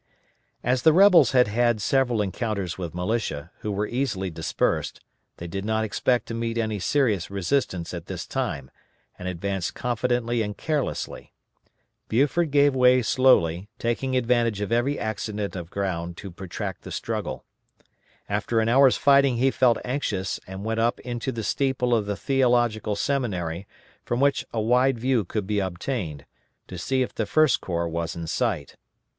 "_] As the rebels had had several encounters with militia, who were easily dispersed, they did not expect to meet any serious resistance at this time, and advanced confidently and carelessly. Buford gave way slowly, taking advantage of every accident of ground to protract the struggle. After an hour's fighting he felt anxious, and went up into the steeple of the Theological Seminary from which a wide view could be obtained, to see if the First Corps was in sight.